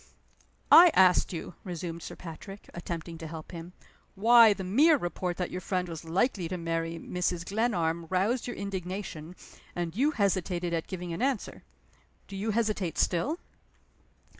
"I asked you," resumed Sir Patrick, attempting to help him, "why the mere report that your friend was likely to marry Mrs. Glenarm roused your indignation, and you hesitated at giving an answer. Do you hesitate still?"